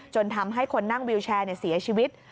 จนทำให้คนนั่งวิวแชร์เสียชีวิต